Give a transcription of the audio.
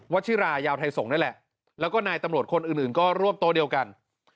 ชิรายาวไทยสงฆ์นั่นแหละแล้วก็นายตำรวจคนอื่นก็รวบโต๊ะเดียวกัน